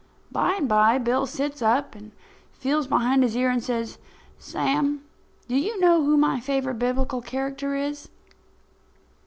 By and by, Bill sits up and feels behind his ear and says: "Sam, do you know who my favourite Biblical character is?"